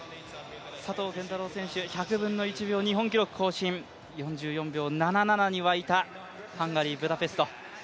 佐藤拳太郎選手、１００分の１秒、日本記録更新、４４秒７７に沸いたブダペスト。